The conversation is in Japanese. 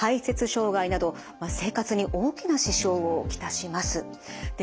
生活に大きな支障を来します。